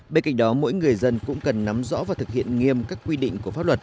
bên cạnh đó mỗi người dân cũng cần nắm rõ và thực hiện nghiêm các quy định của pháp luật